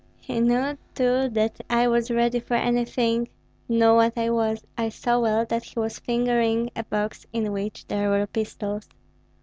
He knew too that was ready for anything, knew what I was; I saw well that he was fingering a box in which there were pistols.